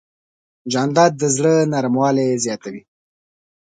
جانداد د زړه نرموالی زیاتوي.